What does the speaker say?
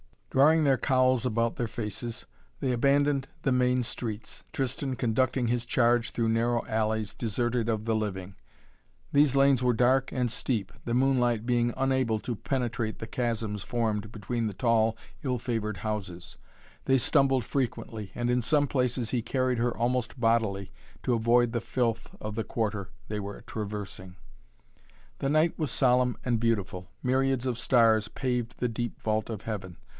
Drawing their cowls about their faces, they abandoned the main streets, Tristan conducting his charge through narrow alleys, deserted of the living. These lanes were dark and steep, the moonlight being unable to penetrate the chasms formed between the tall, ill favored houses. They stumbled frequently, and in some places he carried her almost bodily, to avoid the filth of the quarter they were traversing. The night was solemn and beautiful. Myriads of stars paved the deep vault of heaven.